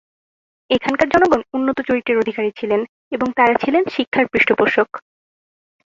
এখানকার জনগণ উন্নত চরিত্রের অধিকারী ছিলেন এবং তারা ছিলেন শিক্ষার পৃষ্ঠপোষক।